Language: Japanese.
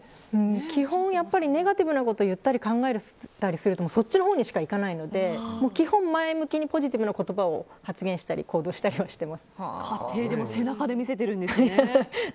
基本、やっぱりネガティブなことを言ったり考えたりするとそっちのほうにしか行かないので基本、前向きにポジティブな言葉を発言したり家庭でも背中で見せてるんですね。